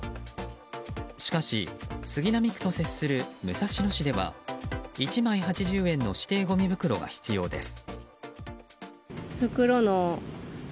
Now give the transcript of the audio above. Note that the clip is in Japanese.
しかし、杉並区と接する武蔵野市では１枚８０円の指定ごみ袋が必要です。